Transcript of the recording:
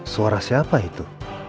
suara siapa itu